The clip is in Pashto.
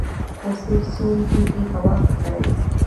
فوسیل سون توکي هوا ککړوي